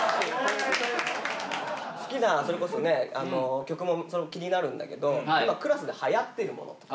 好きなそれこそね曲も気になるんだけど今クラスで流行ってるものとか。